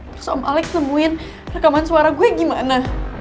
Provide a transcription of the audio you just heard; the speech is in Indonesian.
terus om alex nemuin rekaman suara gue gimana